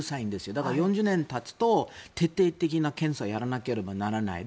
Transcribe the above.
だから４０年たつと徹底的な検査をやらなければならない。